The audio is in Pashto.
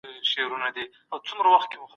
ایا جګړه یوازي زموږ په هېواد کي وه؟